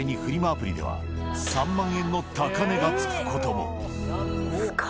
アプリでは、３万円の高値がつくことも。